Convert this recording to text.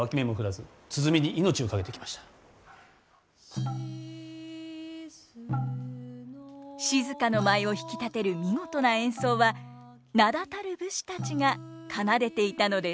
しずの静の舞を引き立てる見事な演奏は名だたる武士たちが奏でていたのです。